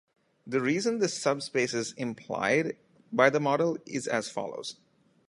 The reason this subspace is implied by the model is as follows.